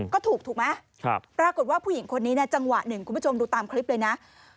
ก็ถูกถูกไหมปรากฏว่าผู้หญิงคนนี้จังหวะหนึ่งคุณผู้ชมดูตามคลิปเลยนะ